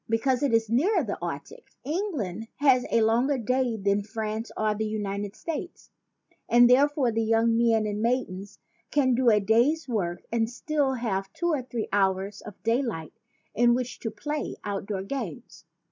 Because it is nearer the Arctic, Eng land has a longer day than France or the United States; and therefore the young men and maidens can do a day's work and still have two or three hours of daylight in which to play out 140 ON THE LENGTH OF CLEOPATRA/S NOSE door games.